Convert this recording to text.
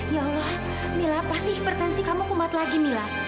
ya allah mila pasti hipertensi kamu kumat lagi mila